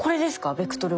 ベクトルは。